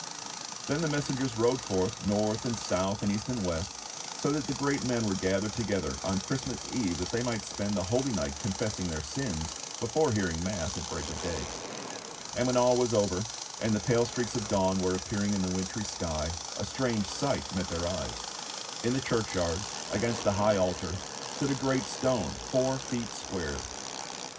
Then the messengers rode forth, north and south and east and west, so that the great men were gathered togetlier on Christmas Eve that they might spend the Holy Night confessing their sins before hearing mass at break of day; and when all was over, and the pale streaks of dawn were appearing in the wintry sky, a strange sight met their eyes: In the churchyard, against the high altar, stood a great stone four feet square.